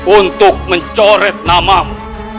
untuk mencoret namamu